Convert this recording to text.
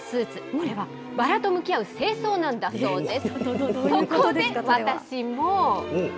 これはバラと向き合う正装なんだそうです。